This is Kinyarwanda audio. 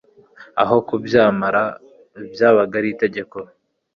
Aho kubyamara byabaga ari itegeko